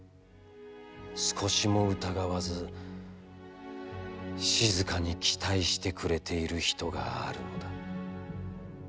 少しも疑わず、静かに期待してくれている人があるのだ。